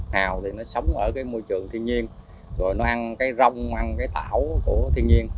hào thì nó sống ở cái môi trường thiên nhiên rồi nó ăn cái rông măng cái tảo của thiên nhiên